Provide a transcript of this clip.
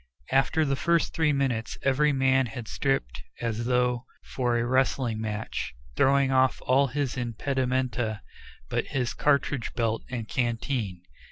After the first three minutes every man had stripped as though for a wrestling match, throwing off all his impedimenta but his cartridge belt and canteen.